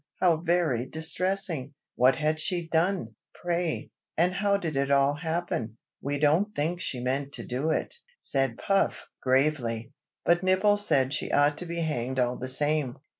how very distressing! what had she done, pray, and how did it all happen?" "We don't think she meant to do it," said Puff gravely; "but Nibble said she ought to be hanged all the same.